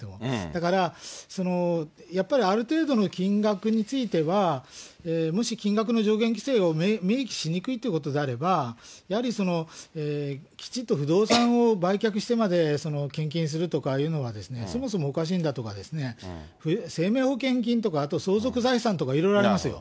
だから、やっぱりある程度の金額については、もし金額の上限規制を明記しにくいということであれば、やはりきちっと不動産を売却してまで献金するとかいうのは、そもそもおかしいんだとか、生命保険金とか、あと相続財産とかいろいろありますよ。